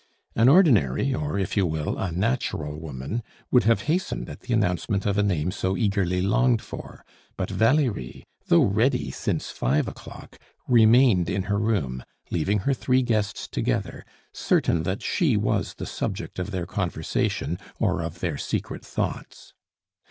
An ordinary, or, if you will, a natural woman would have hastened at the announcement of a name so eagerly longed for; but Valerie, though ready since five o'clock, remained in her room, leaving her three guests together, certain that she was the subject of their conversation or of their secret thoughts.